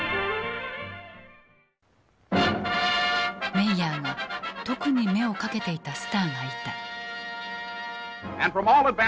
メイヤーが特に目をかけていたスターがいた。